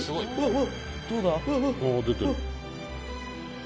うわっ！」